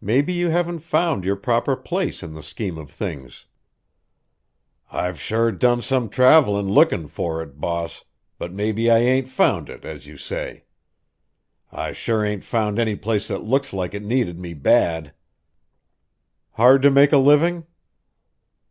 "Maybe you haven't found your proper place in the scheme of things." "I've sure done some travelin' lookin' for it, boss, but maybe I ain't found it, as you say. I sure ain't found any place that looks like it needed me bad." "Hard to make a living?"